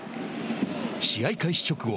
試合開始直後